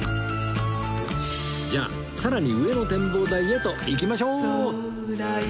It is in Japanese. じゃあさらに上の展望台へと行きましょう